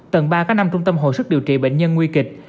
tầng ba có năm trung tâm hồi sức điều trị bệnh nhân nguy kịch